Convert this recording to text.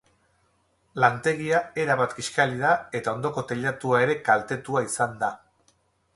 Lantegia erabat kiskali da eta ondoko teilatua ere kaltetua izan da.